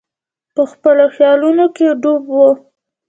په خپلو خیالونو کې ډوب وو.